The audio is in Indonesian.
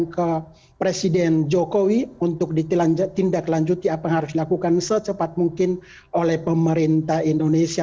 dan ke presiden jokowi untuk ditindaklanjuti apa yang harus dilakukan secepat mungkin oleh pemerintah indonesia